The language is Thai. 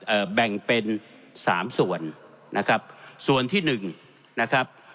แบ่งเป็นสามส่วนนะครับส่วนที่หนึ่งนะครับ